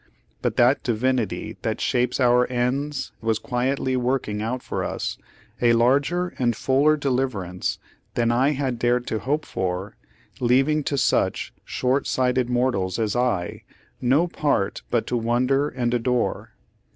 But that 'Divin ity that shapes our ends' was quietly working out for us a larger and fuller deliverance than I had dared to hope for, leaving to such short sighted mortals as I no part but to wonder and adore.